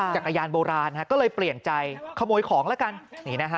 จักรยานโบราณก็เลยเปลี่ยนใจขโมยของแล้วกัน